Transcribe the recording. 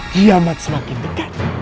kiamat semakin dekat